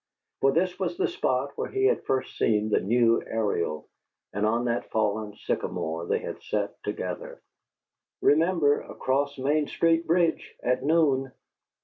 For this was the spot where he had first seen the new Ariel, and on that fallen sycamore they had sat together. "REMEMBER, ACROSS MAIN STREET BRIDGE AT NOON!"